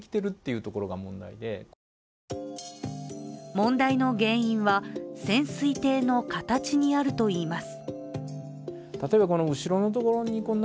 問題の原因は、潜水艇の形にあるといいます。